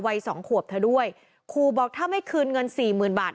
สองขวบเธอด้วยขู่บอกถ้าไม่คืนเงินสี่หมื่นบาท